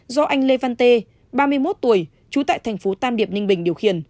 do anh lê văn tê ba mươi một tuổi trú tại thành phố tam điệp ninh bình điều khiển